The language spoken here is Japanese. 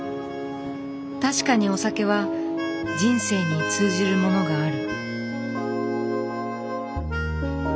確かにお酒は人生に通じるものがある。